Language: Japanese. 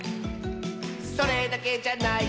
「それだけじゃないよ」